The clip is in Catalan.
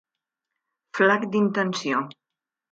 Flac d'intenció.